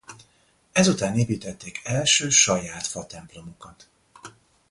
Ezután építették első saját fatemplomukat.